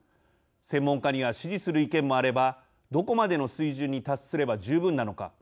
専門家には支持する意見もあればどこまでの水準に達すれば十分なのか